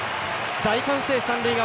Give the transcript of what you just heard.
大歓声、三塁側。